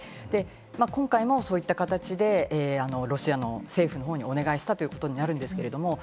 今回もこういった形で、ロシアの政府の方にお願いしたということになるんですけれど。